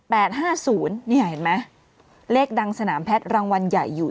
แปดห้าศูนย์เนี่ยเห็นไหมเลขดังสนามแพทย์รางวัลใหญ่อยู่